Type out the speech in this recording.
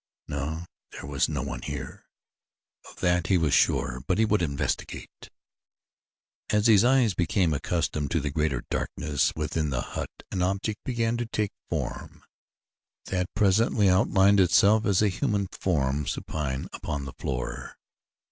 No, there was no one here, of that he was sure, but he would investigate. As his eyes became accustomed to the greater darkness within the hut an object began to take form that presently outlined itself in a human form supine upon the floor.